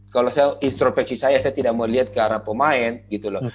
kalau instruksi saya saya tidak mau lihat ke arah pemain gitu loh